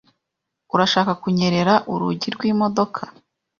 Urashaka kunyerera urugi rw'imodoka?